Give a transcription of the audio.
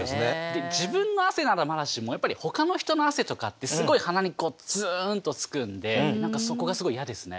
自分の汗ならまだしもやっぱりほかの人の汗とかってすごい鼻にツンとつくんでそこがすごい嫌ですね。